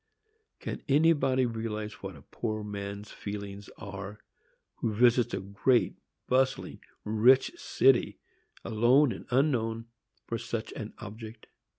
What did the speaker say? Can anybody realize what a poor man's feelings are, who visits a great, bustling, rich city, alone and unknown, for such an object?